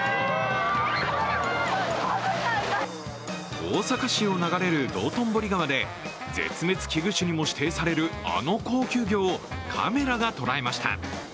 大阪市を流れる道頓堀川で絶滅危惧種にも指定されるあの高級魚をカメラが捉えました。